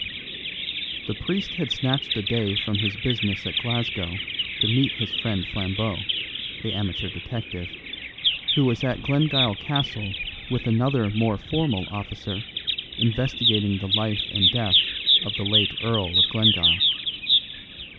The priest had snatched a day from his business at Glasgow to meet his friend Flambeau, the amateur detective, who was at Glengyle Castle with another more formal officer investigating the life and death of the late Earl of Glengyle.